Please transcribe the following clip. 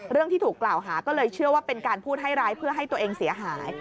ที่ถูกกล่าวหาก็เลยเชื่อว่าเป็นการพูดให้ร้ายเพื่อให้ตัวเองเสียหาย